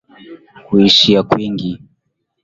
Kuishi kwingi.